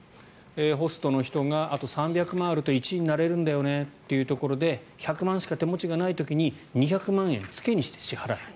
ホストの人があと３００万円あると１位になれるんだよねというところで１００万円しか手持ちがない時に２００万円付けにして支払える。